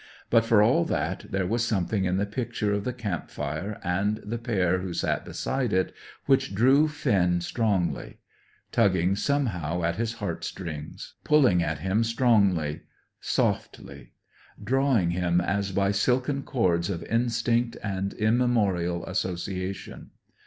But for all that, there was something in the picture of the camp fire and the pair who sat beside it which drew Finn strongly; tugging somehow at his heart strings; pulling at him strongly, softly; drawing him, as by silken cords of instinct and immemorial association.